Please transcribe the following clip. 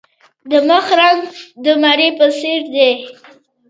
د مخ رنګ د مڼې په څیر دی.